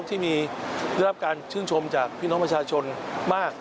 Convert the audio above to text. ต้องระบบการเชื่นชมจากพี่น้องประชาชนมาก